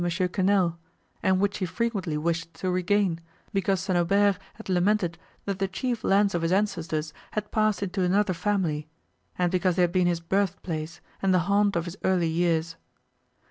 Quesnel, and which she frequently wished to regain, because St. Aubert had lamented, that the chief lands of his ancestors had passed into another family, and because they had been his birth place and the haunt of his early years.